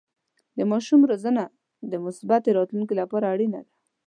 د ماشومانو روزنه د مثبتې راتلونکې لپاره اړینه ده.